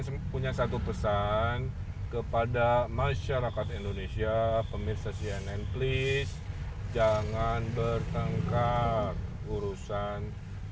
sempurna satu pesan kepada masyarakat indonesia pemirsa cnn please jangan bertengkar urusan dua ribu dua puluh empat